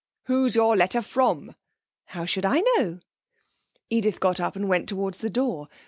'Who's your letter from?' 'How should I know?' Edith got up and went towards the door.